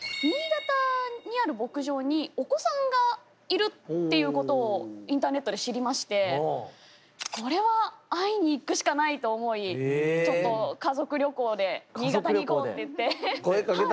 新潟にある牧場にお子さんがいるっていうことをインターネットで知りましてこれは会いに行くしかないと思いちょっと家族旅行で「新潟に行こう！」って言って。